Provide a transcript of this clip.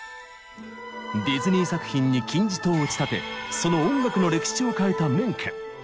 ディズニー作品に金字塔を打ち立てその音楽の歴史を変えたメンケン。